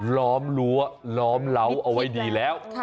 ล้อมรั้วล้อมเหล้าเอาไว้ดีแล้ว